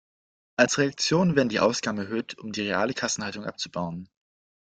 Als Reaktion werden die Ausgaben erhöht, um die reale Kassenhaltung abzubauen.